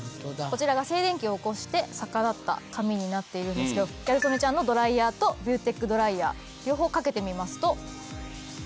こちらが静電気を起こして逆立った髪になっているんですけどギャル曽根ちゃんのドライヤーとビューテックドライヤー両方かけてみますと。